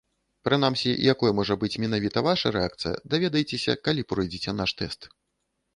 Прынамсі, якой можа быць менавіта ваша рэакцыя, даведаецеся, калі пройдзеце наш тэст.